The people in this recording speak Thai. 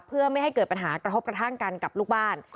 เพื่อไม่ให้เกิดปัญหากระทบกระทั่งกันกับลูกบ้าน